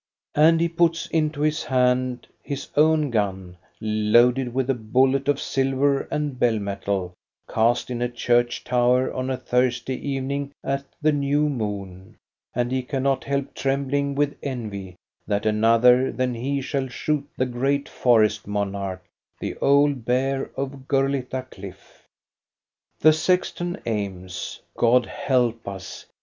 And he puts into his hand his own gun, loaded with a bullet of silver and bell metal cast in a church tower on a Thursday evening at the new moon, and he cannot help trembling with envy that another than he shall shoot the great forest monarch, the old bear of Gurlitta Cliff. THE GREAT BEAR IN GURLITTA CLIFF 135 The sexton aims, — God help us